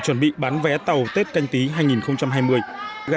mua được vé tàu tết là cực kỳ khổ luôn